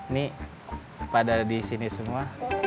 ini pada di sini semua